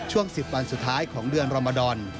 ช่วง๑๐วันสุดท้ายของเดือนรมดอน